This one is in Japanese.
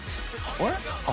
あれ？